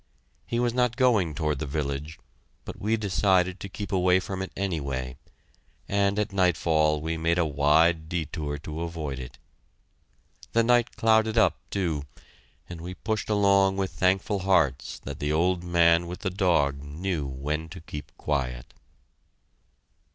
He was not going toward the village, but we decided to keep away from it, anyway, and at nightfall we made a wide detour to avoid it. The night clouded up, too, and we pushed along with thankful hearts that the old man with the dog knew when to keep quiet.